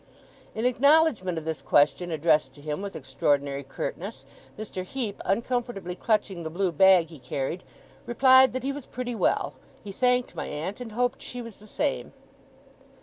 In acknowledgement of this question, addressed to him with extraordinary curtness, Mr. Heep, uncomfortably clutching the blue bag he carried, replied that he was pretty well, he thanked my aunt, and hoped she was the same.